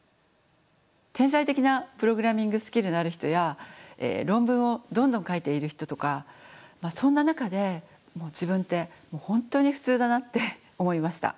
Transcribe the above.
天才的なプログラミングスキルのある人や論文をどんどん書いている人とかそんな中で自分ってもう本当に普通だなって思いました。